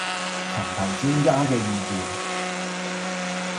尋求專家嘅意見